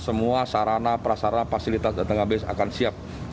semua sarana prasarana fasilitas dan tenaga medis akan siap